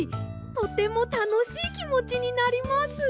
とてもたのしいきもちになります。